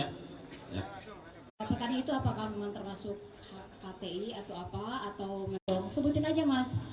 atau mendukung sebutin aja mas